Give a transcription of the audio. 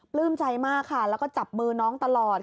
ใจมากค่ะแล้วก็จับมือน้องตลอด